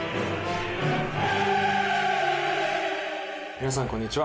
皆さんこんにちは。